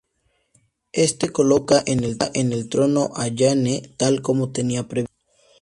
Éste coloca en el trono a Jane, tal como tenía previsto.